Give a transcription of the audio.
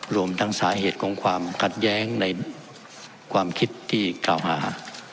รวมทั้งสาเหตุของความขัดแย้งในความคิดที่กล่าวหา